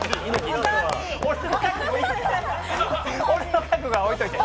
俺の覚悟は置いておいて。